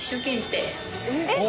えっ！